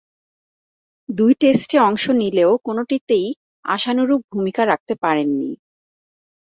দুই টেস্টে অংশ নিলেও কোনটিতেই আশানুরূপ ভূমিকা রাখতে পারেননি।